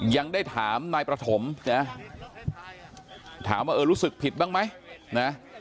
ยังได้ถามนายประถมนะถามว่าเออรู้สึกผิดบ้างไหมนะ